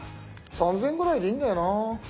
３，０００円ぐらいでいいんだよな。